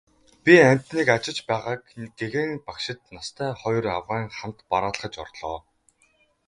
Би амьтныг ажиж байгааг гэгээн багшид настай хоёр авгайн хамт бараалхаж орлоо.